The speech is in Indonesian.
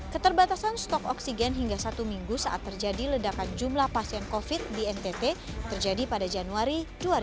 keterbatasan stok oksigen hingga satu minggu saat terjadi ledakan jumlah pasien covid di ntt terjadi pada januari dua ribu dua puluh